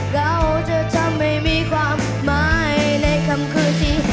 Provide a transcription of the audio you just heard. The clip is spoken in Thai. เราจะทำให้มีความหมายในคำคืนนี้